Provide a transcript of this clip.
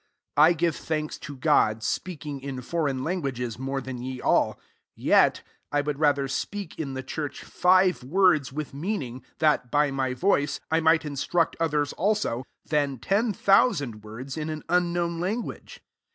18 I give thanks to God, speaking in foreign languages more than ye all : 19 yet I would rather speak, in the churchjfive words with meaning, that, by my voice^ I might instruct others also, tlian ten thousand words in an unknown language.